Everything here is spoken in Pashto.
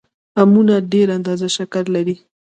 امونه ډېره اندازه شکر لري